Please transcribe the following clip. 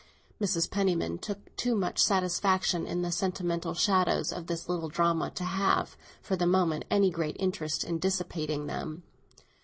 Mrs. Penniman took too much satisfaction in the sentimental shadows of this little drama to have, for the moment, any great interest in dissipating them.